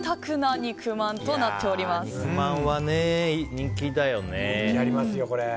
肉まんはね、人気だよね。